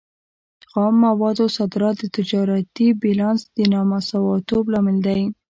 خام موادو صادرات د تجارتي بیلانس د نامساواتوب لامل دی.